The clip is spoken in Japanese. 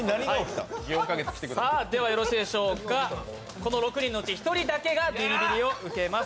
この６人のうち１人だけがビリビリを受けます。